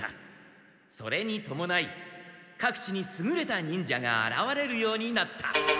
それにともないかく地にすぐれた忍者があらわれるようになった。